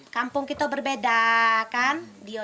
kampung kita berbeda kan